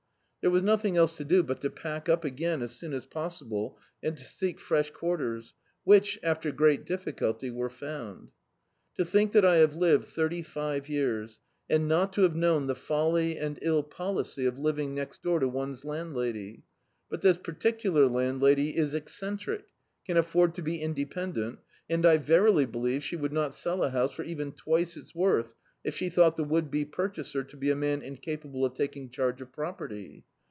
There was nothing else to do but to pack up again as soon as possible and to seek fresh quarters, which, after great difficulty, were found. To think that I have lived thirty five years, and not to have known the folly and ill policy of living next door to one's landlady I But this particular landlady is eccentric, can afford to be independent, and I verily believe she would not sell a house for even twice its worth if she thought the would be purdiaser to be a man incapable of taldng charge of property.